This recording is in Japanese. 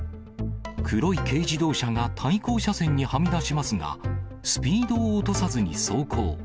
黒い軽自動車が対向車線にはみ出しますが、スピードを落とさずに走行。